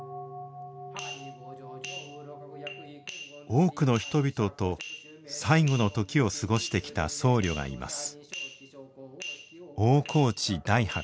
多くの人々と最期の時を過ごしてきた僧侶がいます。